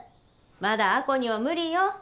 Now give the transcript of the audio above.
まだ亜子には無理よ。